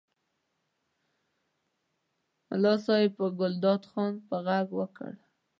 ملا صاحب په ګلداد خان په غږ غږ وکړ.